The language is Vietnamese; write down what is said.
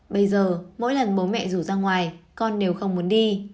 bây giờ mỗi lần bố mẹ rủ ra ngoài con đều không muốn đi